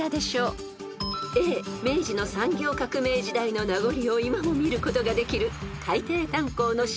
［Ａ明治の産業革命時代の名残を今も見ることができる海底炭坑の島］